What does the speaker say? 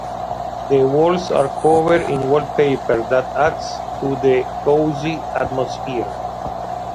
The walls are covered in wallpaper that adds to the cozy atmosphere.